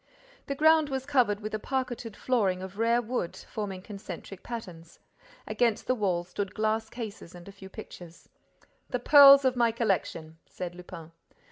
The ground was covered with a parqueted flooring of rare wood, forming concentric patterns. Against the walls stood glass cases and a few pictures. "The pearls of my collection," said Lupin.